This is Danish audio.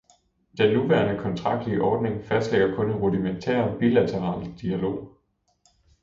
Den nuværende kontraktlige ordning fastlægger kun en rudimentær bilateral dialog.